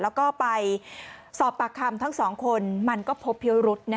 แล้วก็ไปสอบปากคำทั้งสองคนมันก็พบพิวรุษ